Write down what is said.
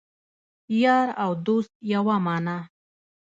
یار او دوست یوه معنی